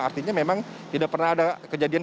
artinya memang tidak pernah ada kejadian